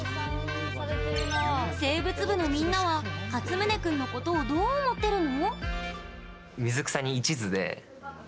生物部のみんなはかつむね君のことをどう思ってるの？